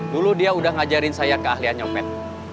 dulu dia udah ngajarin saya ke ahliah nyopet